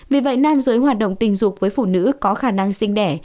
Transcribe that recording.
vì vậy nam giới hoạt động tình dục với phụ nữ có khả năng sinh đẻ